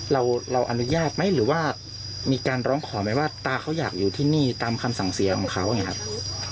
เราอนุญาตไหมหรือว่ามีการร้องขอไหมว่าตาเขาอยากอยู่ที่นี่ตามคำสั่งเสียของเขาอย่างนี้ครับ